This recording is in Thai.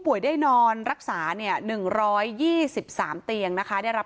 ป่วยได้นอนรักษาเนี้ยหนึ่งร้อยยี่สิบสามเตียงนะคะได้รับ